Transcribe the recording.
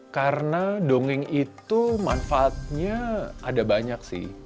karena dongeng itu manfaatnya ada banyak sih